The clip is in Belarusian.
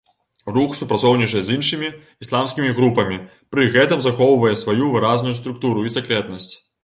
Рух супрацоўнічае з іншымі ісламскімі групамі, пры гэтым захоўвае сваю выразную структуру і сакрэтнасць.